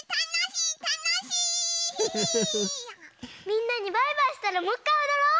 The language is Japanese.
みんなにバイバイしたらもういっかいおどろう！